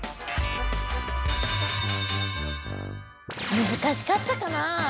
むずかしかったかな？